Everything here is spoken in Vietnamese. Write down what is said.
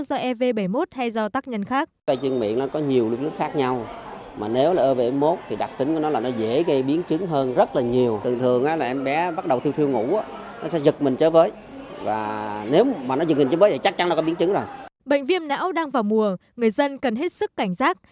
do ev bảy mươi một hay do tác nhân khác bệnh viêm não đang vào mùa người dân cần hết sức cảnh giác